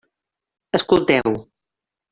Escolteu.